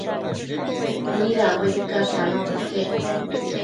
Nidambo icash anobi iquec